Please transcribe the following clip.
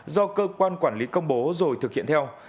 do cơ quan quản lý công bố rồi thực hiện theo